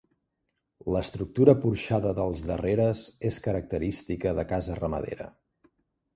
L'estructura porxada dels darreres és característica de casa ramadera.